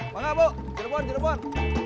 banga bu cirebon cirebon